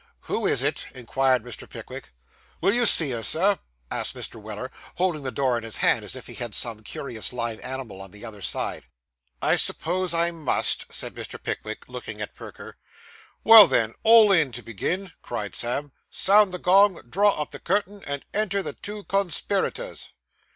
'Who is it?' inquired Mr. Pickwick. 'Will you see her, Sir?' asked Mr. Weller, holding the door in his hand as if he had some curious live animal on the other side. 'I suppose I must,' said Mr. Pickwick, looking at Perker. 'Well then, all in to begin!' cried Sam. 'Sound the gong, draw up the curtain, and enter the two conspiraytors.